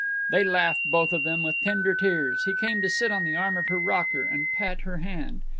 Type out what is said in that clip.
They laughed, both of them, with tender tears. He came to sit on the arm of her rocker and pat her hand.